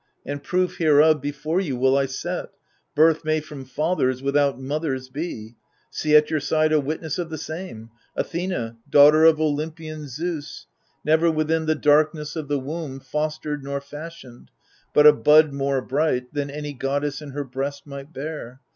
And proof hereof before you will I set. Birth may from fathers, without mothers, be : See at your side a witness of the same, Athena, daughter of Olympian Zeus, Never within the darkness of the womb Fostered nor fashioned, but a bud more bright Than any goddess in her breast might bear.